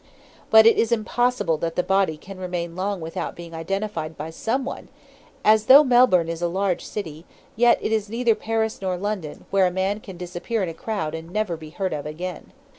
But it is impossible that the body can remain long without being identified by someone, as though Melbourne is a large city, yet it is neither Paris nor London, where a man can disappear in a crowd and never be heard of again.